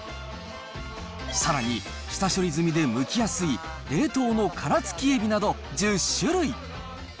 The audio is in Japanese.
さらに下処理済みでむきやすい冷凍の殻付きエビなど１０種類。